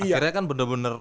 akhirnya kan bener bener